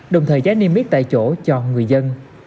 đồng thời giá niêm yết tại chỗ cho người dân